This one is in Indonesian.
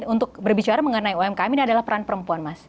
untuk berbicara mengenai umkm ini adalah peran perempuan mas